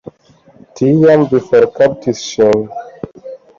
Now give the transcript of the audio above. Tiam vi forkaptis ŝin.